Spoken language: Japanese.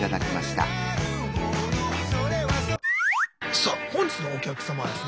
さあ本日のお客様はですね